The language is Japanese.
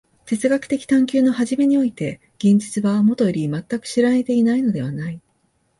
哲学的探求の初めにおいて現実はもとより全く知られていないのではない。